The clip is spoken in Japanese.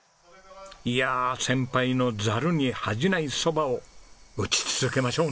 いやあ先輩のざるに恥じない蕎麦を打ち続けましょうね。